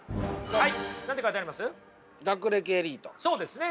はい。